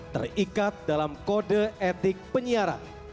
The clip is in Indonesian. terikat dalam kode etik penyiaran